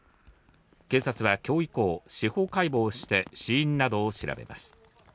警察は今日以降、司法解剖をして死因などを調べます。